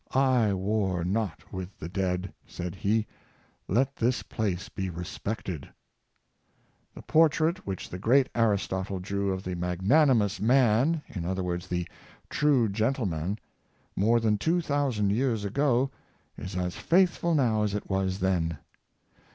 " I war not with the dead," said he; " let this place be re spected." 462 The Magnanimous Man, The portrait which the great Aristotle drew of the Magnanimous Man, in other words, the True Gentle man, more than two thousand years ago, is as faithful now as it was then.